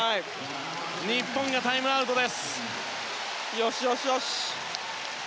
日本、タイムアウトです。